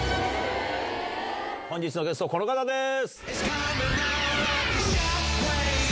本日のゲスト、この方です！